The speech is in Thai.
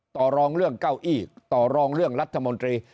ต่อรองเรื่องเก้าอี้ต่อรองเรื่องรัฐมนตรี